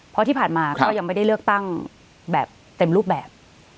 เพราะที่ผ่านมาก็ยังไม่ได้เลือกตั้งแบบเต็มรูปแบบ